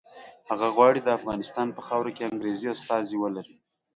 هغه غواړي د افغانستان په خاوره کې انګریزي استازي ولري.